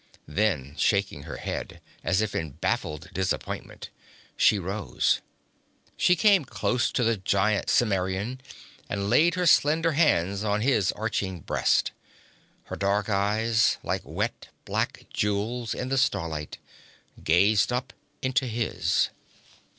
Then, shaking her head as if in baffled disappointment, she rose. She came close to the giant Cimmerian, and laid her slender hands on his arching breast. Her dark eyes, like wet black jewels in the starlight, gazed up into his.